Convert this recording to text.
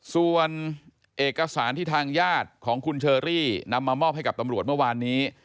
ส่วนเอกสารที่ทางญาติของคุณเชอรี่นำมามอบให้กับตำรวจเมื่อวานนี้